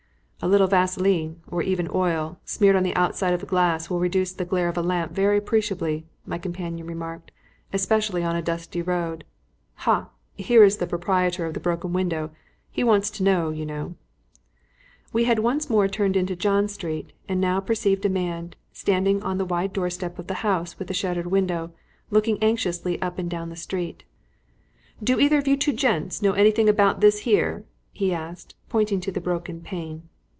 "A little vaseline, or even oil, smeared on the outside of the glass will reduce the glare of a lamp very appreciably," my companion remarked, "especially on a dusty road. Ha! here is the proprietor of the broken window. He wants to know, you know." We had once more turned into John Street and now perceived a man, standing on the wide doorstep of the house with the shattered window, looking anxiously up and down the street. "Do either of you gents know anything about this here?" he asked, pointing to the broken pane.